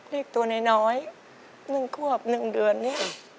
เด็กตัวน้อย๑ควบ๑เดือนเนี่ย